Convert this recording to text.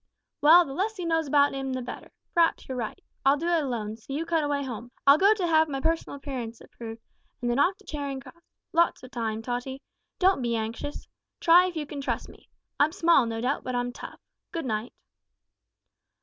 "Well, the less he knows about 'im the better. P'r'aps you're right. I'll do it alone, so you cut away home. I'll go to have my personal appearance improved, and then off to Charing Cross. Lots of time, Tottie. Don't be anxious. Try if you can trust me. I'm small, no doubt, but I'm tough. Good night."